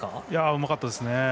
うまかったですね。